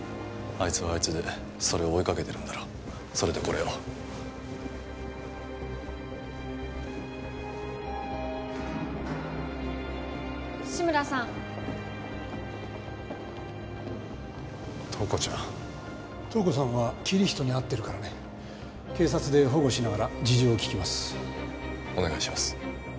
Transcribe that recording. あいつはあいつでそれを追いかけてるんだろうそれでこれを志村さん東子ちゃん東子さんはキリヒトに会ってるからね警察で保護しながら事情を聴きますお願いします